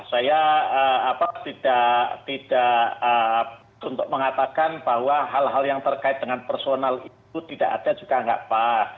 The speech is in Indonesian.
saya tidak untuk mengatakan bahwa hal hal yang terkait dengan personal itu tidak ada juga nggak pas